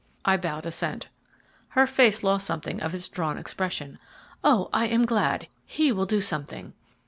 I bowed assent. Her face lost something of its drawn expression. "O I am glad; he will do something."